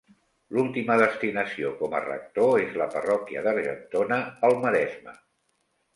L’última destinació com a rector és la parròquia d’Argentona, al Maresme.